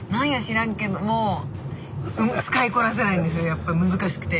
⁉やっぱ難しくて。